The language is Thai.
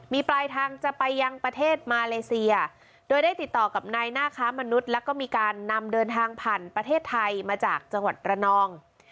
มีปลายทางจะไปยังประเทศมาเลเซียโดยได้ติดต่อกับนายหน้าค้ามนุษย์แล้วก็มีการนำเดินทางผ่านประเทศไทยมาจากจังหวัดระนอง